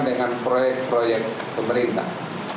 dengan proyek proyek pemerintah